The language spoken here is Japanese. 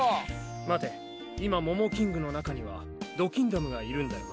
待て今モモキングの中にはドキンダムがいるんだよな？